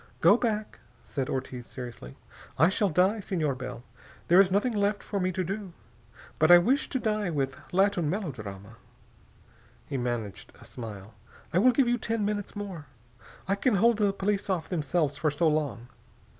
"Go back," said Ortiz seriously. "I shall die, Senor Bell. There is nothing else for me to do. But I wish to die with Latin melodrama." He managed a smile. "I will give you ten minutes more. I can hold off the police themselves for so long.